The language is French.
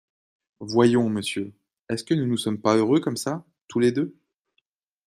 Voyons, monsieur, est-ce que nous ne sommes pas heureux comme ça, tous les deux ?